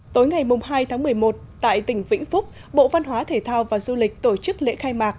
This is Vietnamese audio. tối ngày hai tháng một mươi một tại tỉnh vĩnh phúc bộ văn hóa thể thao và du lịch tổ chức lễ khai mạc